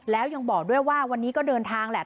แล้วยังบอกด้วยว่าวันนี้ก็เดินทางแหละ